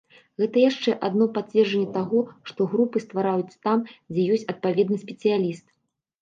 Гэта яшчэ адно пацверджанне таго, што групы ствараюцца там, дзе ёсць адпаведны спецыяліст.